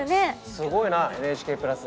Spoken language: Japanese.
すごいなＮＨＫプラス！